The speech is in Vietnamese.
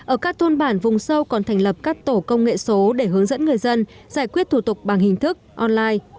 ở các thôn bản vùng sâu còn thành lập các tổ công nghệ số để hướng dẫn người dân giải quyết thủ tục bằng hình thức online